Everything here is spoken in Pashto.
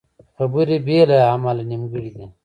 خبرې بې له عمله نیمګړې دي